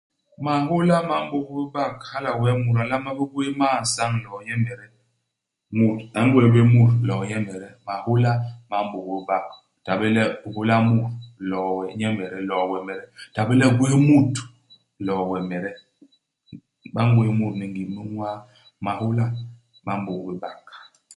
Mahôla ma m'bôk bé bak hala wee mut a nlama bé gwés man-isañ iloo nyemede. Mut a ngwés bé mut iloo nyemede. Mahôla ma m'bôk bé bak. U ta bé le u hôla mut iloo we nyemede iloo wemede. U ta bé le u gwés mut iloo wemede. Ba ngwés mut ni ngim i miñwaa. Mahôla ma m'bôk bé bak.